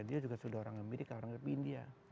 dia juga sudah orang amirika orang india